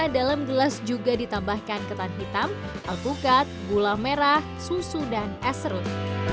dalam gelas juga ditambahkan ketan hitam alpukat gula merah susu dan es serut